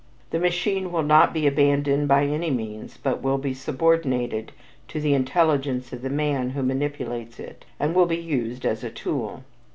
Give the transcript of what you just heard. The machine will not be abandoned by any means, but will be subordinated to the intelligence of the man who manipulates it, and will be used as a tool.